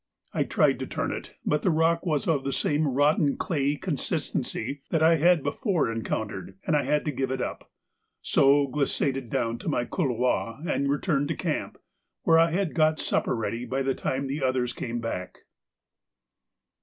I tried to turn it, but the rock was of the same rotten clayey consistency that I had before encountered, and I had to give it up, so glissaded down my couloir and returned to camp, where I had got supper ready by the time the others came back.